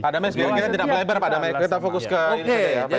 pada meskipun kita tidak melebar pada meskipun kita fokus ke ini saja ya